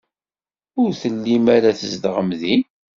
Ur tellim ara tzedɣem din.